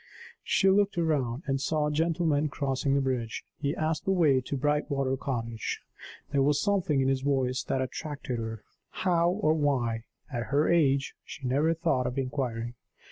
She looked round, and saw a gentleman crossing the bridge. He asked the way to Brightwater Cottage. There was something in his voice that attracted her how or why, at her age, she never thought of inquiring.